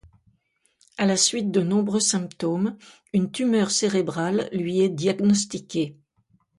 À la suite de nombreux symptômes, une tumeur cérébrale lui est diagnostiquée.